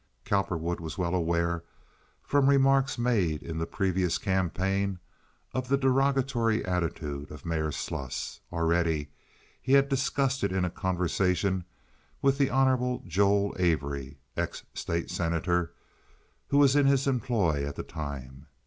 Cowperwood was well aware, from remarks made in the previous campaign, of the derogatory attitude of Mayor Sluss. Already he had discussed it in a conversation with the Hon. Joel Avery (ex state senator), who was in his employ at the time.